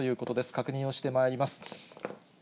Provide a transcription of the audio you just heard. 確認をしてまいります。